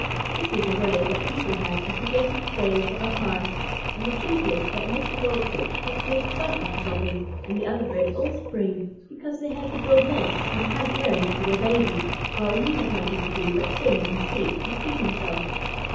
That is a way that people have of forgetting the days that are past; and the truth is that Mr. Goldfinch had made fun of the Robins and other birds all spring, because they had to build nests and hunt worms for their babies, while he had nothing to do but sing and sleep and feed himself.